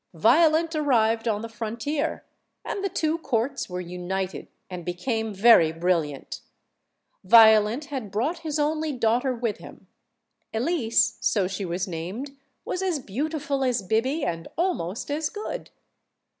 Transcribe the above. Violent arrived on the frontier, and the two courts were united, and became very brilliant. Violent had brought his only daughter with him. Elise, so she was named, was as beautiful as Biby, and almost as good.